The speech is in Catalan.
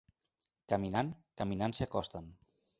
Caminant, caminant s'hi acosten.